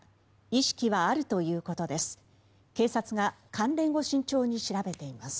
意識はあるということです。